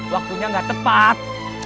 waktunya gak tepat